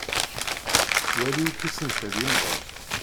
Wali akk isental yemmden.